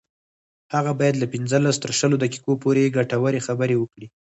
هغه باید له پنځلس تر شلو دقیقو پورې ګټورې خبرې وکړي